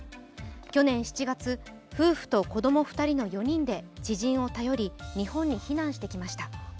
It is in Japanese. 去年７月、夫婦と子供２人の４人で知人を頼り日本に避難してきました。